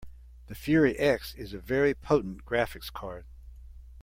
The Fury X is a very potent graphics card.